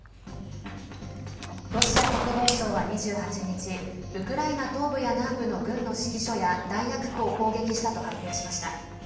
ロシア国防省は２８日ウクライナ東部や南部の軍の指揮所や弾薬庫を攻撃したと発表しました。